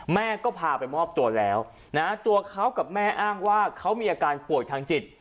แม่ก็พาไปมอบตัวแล้วนะตัวเขากับแม่อ้างว่าเขามีอาการป่วยทางจิต